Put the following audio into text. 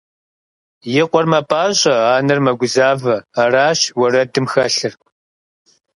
И къуэр мэпӀащӀэ, анэр мэгузавэ – аращ уэрэдым хэлъыр.